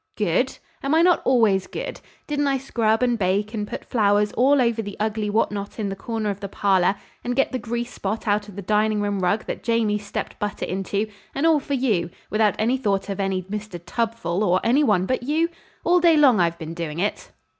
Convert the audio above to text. "Good? Am I not always good? Didn't I scrub and bake and put flowers all over the ugly what not in the corner of the parlor, and get the grease spot out of the dining room rug that Jamie stepped butter into and all for you without any thought of any Mr. Tubfull or any one but you? All day long I've been doing it."